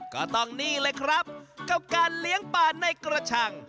ก็ต้องนี่เลยครับกับการเลี้ยงปลาในกระชัง